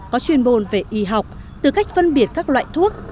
có chuyên môn về y học từ cách phân biệt các loại thuốc